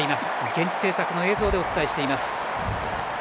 現地制作の映像でお伝えしています。